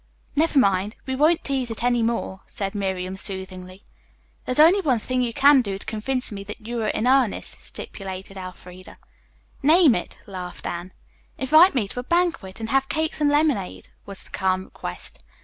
"Never mind, we won't tease It any more," said Miriam soothingly. "There is only one thing you can do to convince me that you are in earnest," stipulated Elfreda. "Name it," laughed Anne. "Invite me to a banquet, and have cakes and lemonade," was the calm request.